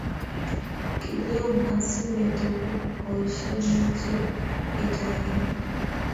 kilyan asimetoben boisionik che itanyin.